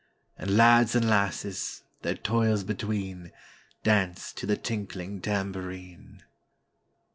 And lads and lasses, their toils between, Dance to the tinkling tambourine.